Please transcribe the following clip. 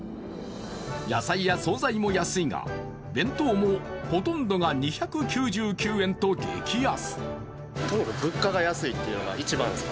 野菜や総菜も安いが、弁当もほとんどが２９９円と激安。